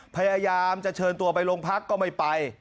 พยายามจะเชิญตัวไปโรงพักก็ไม่ไป